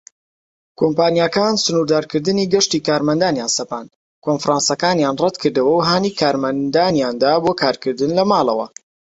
کۆمپانیاکان سنوردارکردنی گەشتی کارمەندانیان سەپاند، کۆنفرانسەکانیان ڕەتکردەوە، و هانی کارمەندانیاندا بۆ کارکردن لە ماڵەوە.